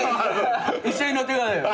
一緒に乗ってくださいよ。